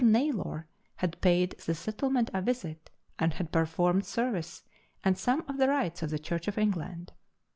Naylor had paid the settlement a visit, and had performed service and some of the rites of the Church of England.